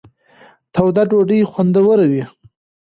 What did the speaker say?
توده ډوډۍ خوندوره وي.